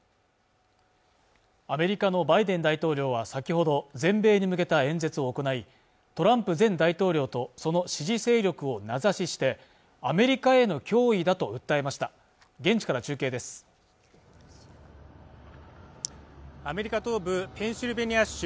アメリカのバイデン大統領は先ほど全米に向けた演説を行いトランプ前大統領とその支持勢力を名指ししてアメリカへの脅威だと訴えました現地から中継ですアメリカ東部ペンシルベニア州